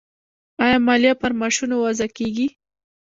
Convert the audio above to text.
آیا مالیه پر معاشونو وضع کیږي؟